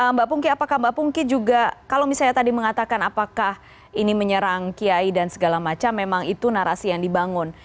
mbak pungki apakah mbak pungki juga kalau misalnya tadi mengatakan apakah ini menyerang kiai dan segala macam memang itu narasi yang dibangun